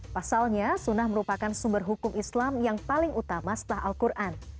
pasalnya sunnah merupakan sumber hukum islam yang paling utama setelah al quran